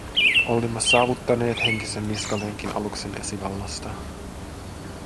Olimme saavuttaneet henkisen niskalenkin aluksen esivallasta.